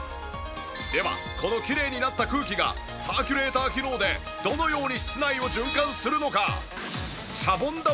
ではこのきれいになった空気がサーキュレーター機能でどのように室内を循環するのか？